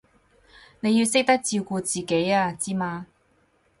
你要識得照顧自己啊，知嘛？